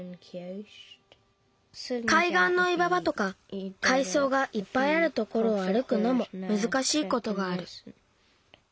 かいがんのいわばとかかいそうがいっぱいあるところをあるくのもむずかしいことがある。